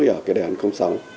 ở cái đề án sáu